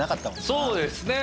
そうですね。